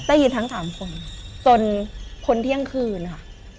ได้ยินทั้งสามคนจนคนเที่ยงคืนค่ะ